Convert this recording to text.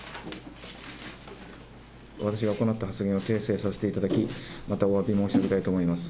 私が行った発言を訂正させていただき、またおわび申し上げたいと思います。